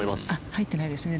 入ってないですね。